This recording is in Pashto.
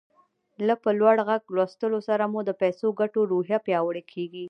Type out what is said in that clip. له په لوړ غږ لوستلو سره مو د پيسو ګټلو روحيه پياوړې کېږي.